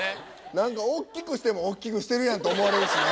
何かおっきくしても「おっきくしてるやん」って思われるしな。